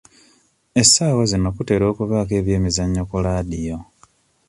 Essaawa zino kutera okubaako ebyemizannyo ku laadiyo.